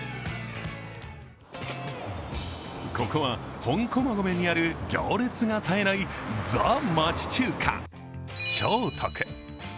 ここは本駒込にある行列が絶えないＴＨＥ・町中華、兆徳。